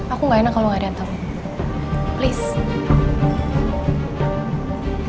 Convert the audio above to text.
aku gak enak kalo gak ada temen please